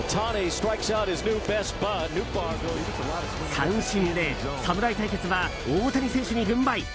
三振で侍対決は大谷選手に軍配。